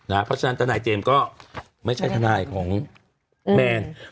เพราะฉะนั้นทนายเจมส์ก็ไม่ใช่ทนายของแมน